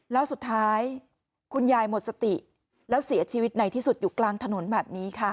แล้วสุดท้ายคุณยายหมดสติแล้วเสียชีวิตในที่สุดอยู่กลางถนนแบบนี้ค่ะ